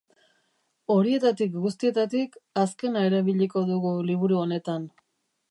Horietatik guztietatik, azkena erabiliko dugu liburu honetan.